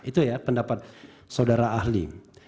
itu ya pendapat saudara ahli